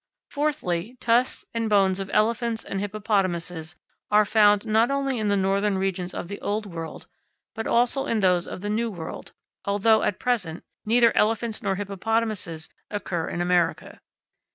Fourthly, tusks and bones of elephants and hippopotamuses are found not only in the northern regions of the old world, but also in those of the new world, although, at present, neither elephants nor hippopotamuses occur in America.